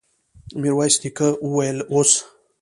ميرويس نيکه وويل: اوس!